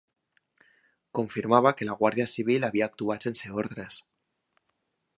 Confirmava que la Guàrdia Civil havia actuat sense ordres